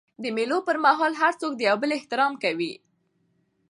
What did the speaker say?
د مېلو پر مهال هر څوک د یو بل احترام کوي.